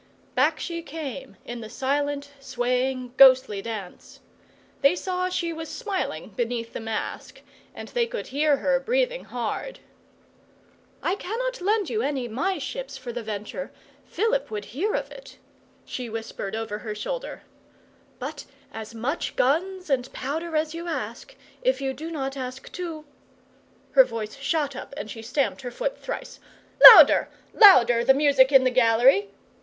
Back she came in the silent, swaying, ghostly dance. They saw she was smiling beneath the mask, and they could hear her breathing hard. 'I cannot lend you any of my ships for the venture; Philip would hear of it,' she whispered over her shoulder; 'but as much guns and powder as you ask, if you do not ask too 'Her voice shot up and she stamped her foot thrice. 'Louder! Louder, the music in the gallery!